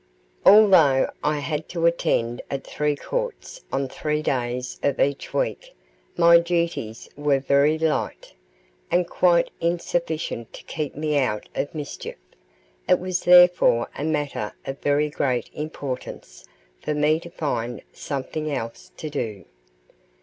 Although I had to attend at three courts on three days of each week, my duties were very light, and quite insufficient to keep me out of mischief; it was therefore a matter of very great importance for me to find something else to do.